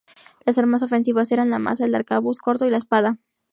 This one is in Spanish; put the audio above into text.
Las armas ofensivas eran la maza, el arcabuz corto y la espada.